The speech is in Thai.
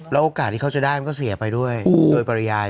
โอกาสที่เขาจะได้มันก็เสียไปด้วยโดยปริยาย